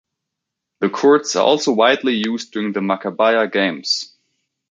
The courts are also widely used during the Maccabiah Games.